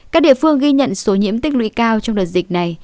các địa phương ghi nhận số nhiễm tích lũy cao trong đợt dịch này